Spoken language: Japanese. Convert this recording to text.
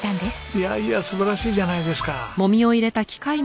いやいや素晴らしいじゃないですか。